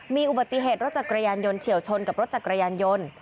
มีอุบัติเหตุรถจักรยานยนต์เฉียวชนกับรถจักรยานยนต์